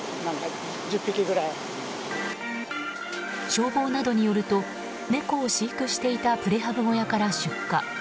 消防などによると猫を飼育していたプレハブ小屋から出火。